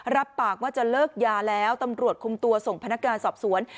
รับปากว่าจะเลิกยาแล้วตำรวจคุมตัวส่งพนักงานสอบสวน